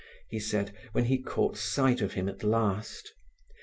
he said, when he caught sight of him at last.